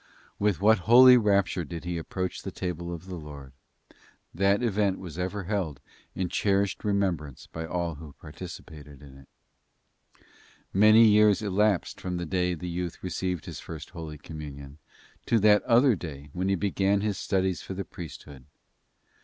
With what holy rapture did he approach the table of the Lord. That event was ever held in cherished remembrance by all who participated in it. Many years elapsed from the day the youth received his First Holy Communion to that other day when he began his studies for the priesthood.